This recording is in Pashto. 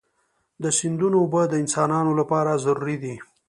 د سیندونو اوبه د انسانانو لپاره ضروري دي.